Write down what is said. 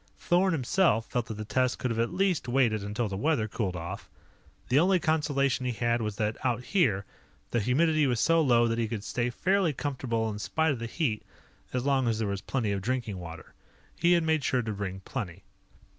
Thorn himself felt that the test could have at least waited until the weather cooled off. The only consolation he had was that, out here, the humidity was so low that he could stay fairly comfortable in spite of the heat as long as there was plenty of drinking water. He had made sure to bring plenty.